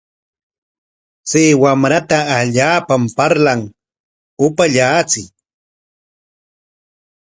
Chay wamrata allaapam parlan, upaallachiy.